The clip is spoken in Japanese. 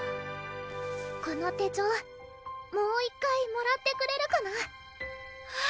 この手帳もう１回もらってくれるかな？